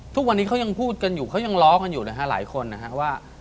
ทุกวันนี้เขายังพูดกันอยู่เขายังล้อกันอยู่นะฮะหลายคนนะฮะว่า